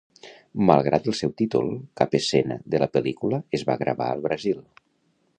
Malgrat el seu títol, cap escena de la pel·lícula es va gravat al Brasil.